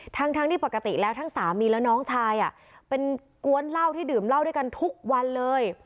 ทั้งที่ปกติแล้วทั้งสามีและน้องชายเป็นกวนเหล้าที่ดื่มเหล้าด้วยกันทุกวันเลย